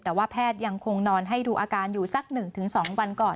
แต่ว่าแพทย์ยังคงนอนให้ดูอาการอยู่สัก๑๒วันก่อน